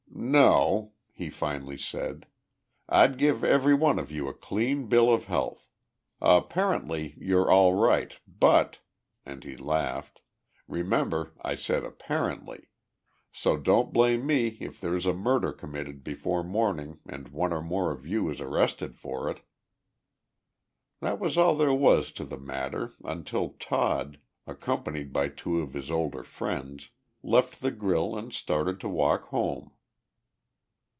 "No," he finally said. "I'd give every one of you a clean bill of health. Apparently you're all right. But," and he laughed, "remember, I said 'apparently.' So don't blame me if there's a murder committed before morning and one or more of you is arrested for it!" That was all there was to the matter until Todd, accompanied by two of his older friends, left the grill and started to walk home.